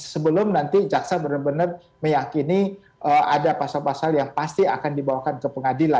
sebelum nanti jaksa benar benar meyakini ada pasal pasal yang pasti akan dibawakan ke pengadilan